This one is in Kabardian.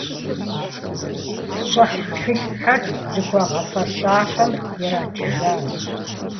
Щӏыхь тхылъхэр зыхуагъэфэщахэм иратыжащ.